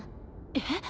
えっ？